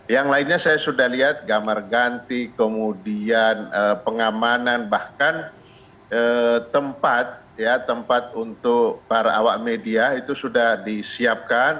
yang lainnya saya sudah lihat gambar ganti kemudian pengamanan bahkan tempat untuk para awak media itu sudah disiapkan